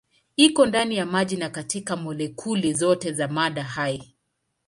Iko ndani ya maji na katika molekuli zote za mada hai.